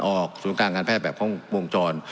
วันออกศูนย์การการแพทย์แบบของวงจร